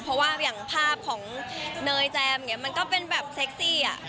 เพราะว่าอย่างภาพของเนยแจมอย่างนี้มันก็เป็นแบบเซ็กซี่อ่ะ